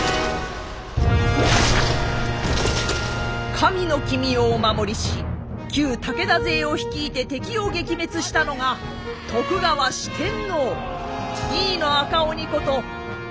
神の君をお守りし旧武田勢を率いて敵を撃滅したのが徳川四天王井伊の赤鬼こと井伊直政。